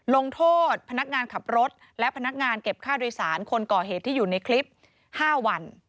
ลงโทษพนักงานขับรถและพนักงานเก็บค่าโดยสารคนก่อเหตุที่อยู่ในคลิป๕วัน